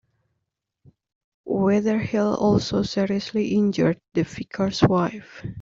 Weatherhill also seriously injured the vicar's wife.